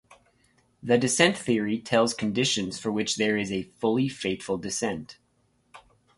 The descent theory tells conditions for which there is a fully faithful descent.